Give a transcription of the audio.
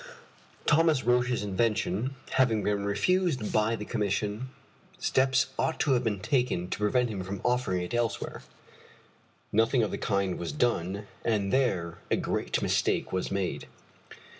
Thomas Roch's invention having been refused by the commission, steps ought to have been taken to prevent him from offering it elsewhere. Nothing of the kind was done, and there a great mistake was made.